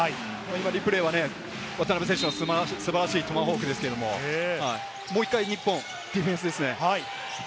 リプレーは渡邊選手の素晴らしいトマホークですけれど、もう一度、日本ディフェンスですね。